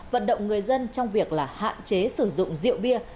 vận động người dân trong việc là hạn chế sử dụng rượu bia